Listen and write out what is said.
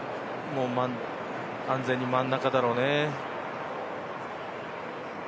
安全に真ん中だろうね。